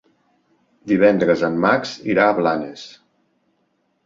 Divendres en Max irà a Blanes.